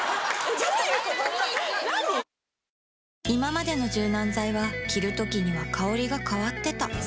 いままでの柔軟剤は着るときには香りが変わってた